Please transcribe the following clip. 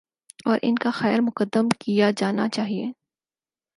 اور ان کا خیر مقدم کیا جانا چاہیے۔